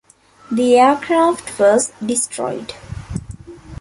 The aircraft was destroyed.